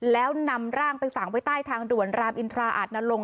แล้วนำร่างไปฝังไว้ใต้ทางด่วนรามอินทราอาจนลง